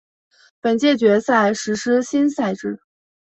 本届决赛实施新赛制。